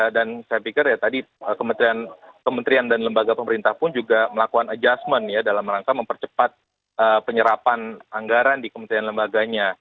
dan saya pikir ya tadi kementerian dan lembaga pemerintahpun juga melakukan adjustment ya dalam rangka mempercepat penyerapan anggaran di kementerian dan lembaganya